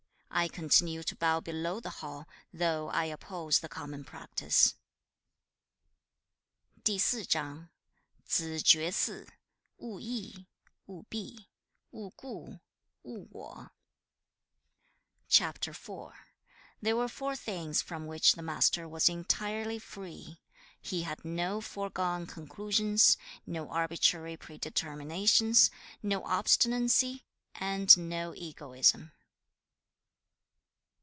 I continue to bow below the hall, though I oppose the common practice.' CHAP. IV. There were four things from which the Master was entirely free. He had no foregone conclusions, no arbitrary predeterminations, no obstinacy, and no egoism.